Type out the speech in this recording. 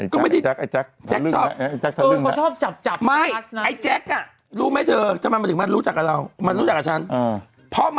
ก็ไม่ได้แจ๊กแจ๊กชอบแจ๊กชอบแจ๊กชอบแจ๊กชอบ